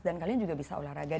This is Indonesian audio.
kalian juga bisa olahraga